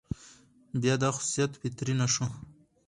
بيا دا خصوصيت فطري نه شو،